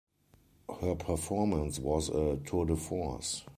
Her performance was a tour-de-force.